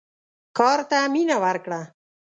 کار ته مینه ورکړه.